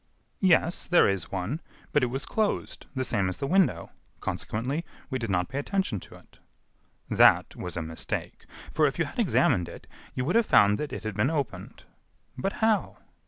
"Yes, there is one, but it was closed, the same as the window. Consequently, we did not pay attention to it." "That was a mistake; for, if you had examined it, you would have found that it had been opened." "But how?"